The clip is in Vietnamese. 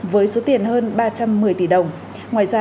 với số tiền hơn ba trăm một mươi tỷ đồng